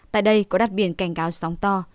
tại đây có đắt biển cành cao sóng to